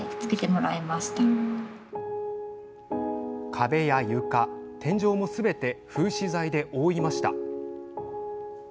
壁や床、天井もすべて封止剤で覆いました。